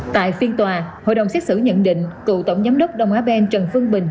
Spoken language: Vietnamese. tại phiên tòa hội đồng xét xử nhận định cựu tổng giám đốc đông á ben trần phương bình